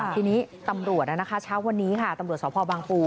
ทีนี้ตำรวจเช้าวันนี้ตำรวจสบังปู